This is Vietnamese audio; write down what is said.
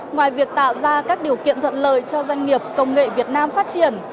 ngoài việc tạo ra các điều kiện thuận lợi cho doanh nghiệp công nghệ việt nam phát triển